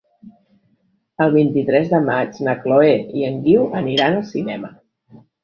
El vint-i-tres de maig na Chloé i en Guiu aniran al cinema.